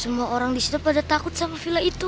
semua orang disitu pada takut sama villa itu